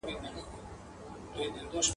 بیا په سراب کي جنتونه ښيي ..